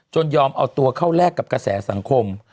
ยอมเอาตัวเข้าแลกกับกระแสสังคม